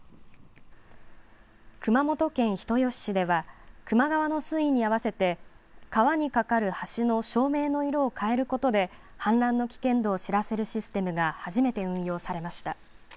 熊本県人吉市では球磨川の水位に合わせて川に架かる橋の照明の色を変えることで氾濫の危険度を知らせるシステムが初めて運用されました。